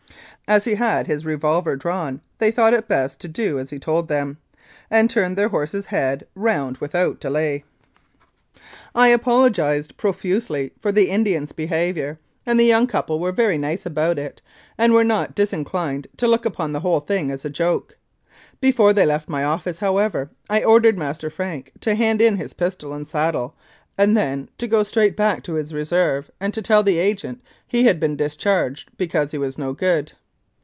As he had his revolver drawn, they thought it best to do as he told them, and turned their horse's head round without any delay. 277 Mounted Police Life in Canada I apologised profusely for the Indian's behaviour, and the young couple were very nice about it, and were not disinclined to look upon the whole thing as a joke. Before they left my office, however, I ordered Master Frank to hand in his pistol and saddle and then to go straight back to his Reserve and to tell the Agent he had been discharged because he was no good.